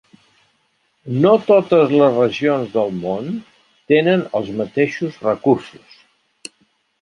No totes les regions del món tenen els mateixos recursos.